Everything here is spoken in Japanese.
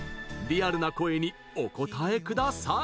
リアルな声にお答えください！